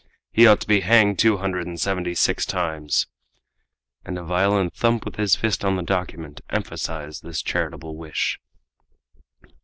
He ought to be hanged two hundred and seventy six times!" And a violent thump with his fist on the document emphasized this charitable wish.